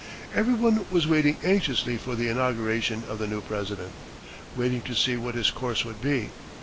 Everyone was waiting anxiously for the inauguration of the new President waiting to see what his course would be.